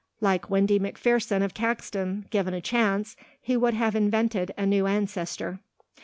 Like Windy McPherson of Caxton, given a chance, he would have invented a new ancestor.